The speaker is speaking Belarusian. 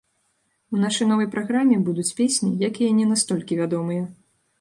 У нашай новай праграме будуць песні, якія не настолькі вядомыя.